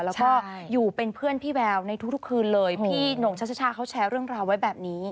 แล้วก็อยู่เป็นเพื่อนพี่แววในทุกคืนเลยพี่หน่งชัชชาเขาแชร์เรื่องราวไว้แบบนี้